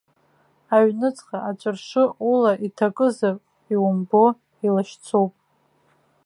Аҩныҵҟа аҵәыршы ула иҭакызар иумбо илашьцоуп.